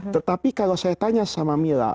tetapi kalau saya tanya sama mila